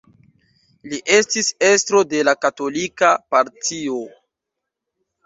Li estis estro de la Katolika Partio.